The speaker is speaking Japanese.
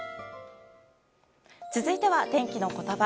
続いては、天気のことば。